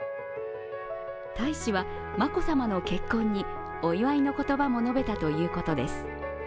大使は、眞子さまの結婚にお祝いの言葉も述べたということです。